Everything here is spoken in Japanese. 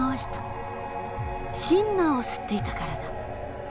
シンナーを吸っていたからだ。